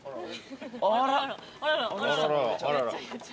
あら。